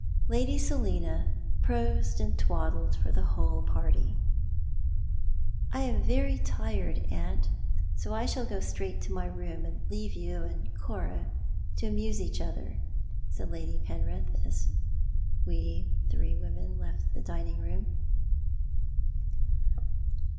Lady Selina prosed and twaddled for the whole party. " I am very tired, aunt, so I shall go straight to my room, and leave you and Cora to amuse each other," said Lady Penrith, as we three women left the dining room.